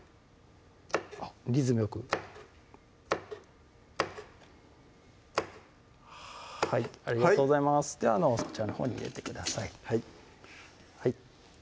リズムよくありがとうございますではそちらのほうに入れてください